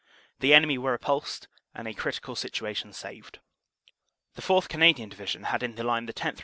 The enemy were repulsed and a critical situation saved. The 4th. Canadian Division had in the line the 10th.